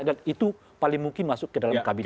dan itu paling mungkin masuk ke dalam kabinet